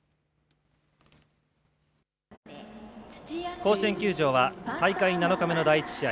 甲子園球場は大会７日目の第６試合。